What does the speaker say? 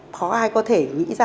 khó ai có thể nghĩ ra